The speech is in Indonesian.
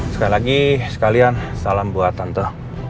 sekali lagi sekalian salam buat tante